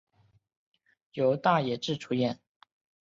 由大野智主演。